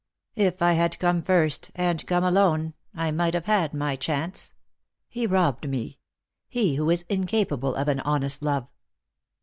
"If I had come first, and come alone, I might have had my chance. He robbed me — he who is incapable of an honest love."